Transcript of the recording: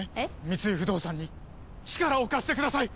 三井不動産に力を貸してください！